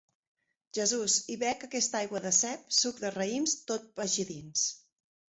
Jesús, hi bec aquesta aigua de cep, suc de raïms, tot vagi dins.